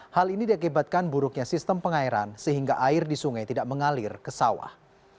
hal ini diakibatkan buruknya sistem pengairan sehingga air di sungai tidak mengalir ke sawah